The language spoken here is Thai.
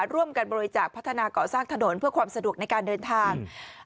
ร่วมกันบริจาคพัฒนาก่อสร้างถนนเพื่อความสะดวกในการเดินทาง